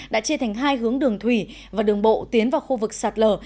đã chia thành hai hướng đường thủy và đường bộ tiến vào khu vực sạt lở